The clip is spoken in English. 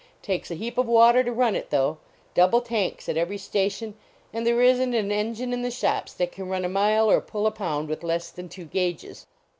Takes a heap of water to run it, though ; double tanks at every station, and there isn t an en gine in the shops that can run a mile or pull a pound with less than two gauges.